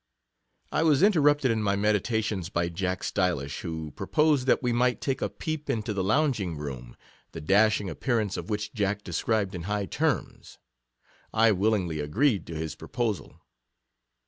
I was interrupted in my meditations by Jack Stylish, who proposed that we might take a peep into the lounging room, the dash ing appearance of which Jack described in high terms ; I willingly agreed to his pro posal.